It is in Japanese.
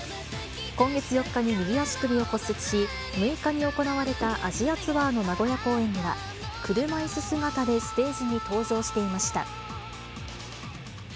今月４日に右足首を骨折し、６日に行われたアジアツアーの名古屋公演には車いす姿でステージに登場していました。